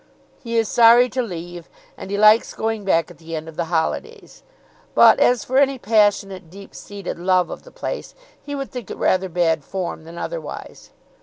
He is sorry to leave, and he likes going back at the end of the holidays, but as for any passionate, deep seated love of the place, he would think it rather bad form than otherwise.